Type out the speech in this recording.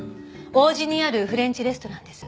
王子にあるフレンチレストランです。